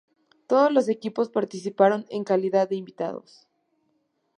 Todos los equipos participaron en calidad de invitados.